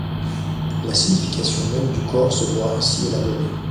La signification même du corps se voit ainsi élaborée.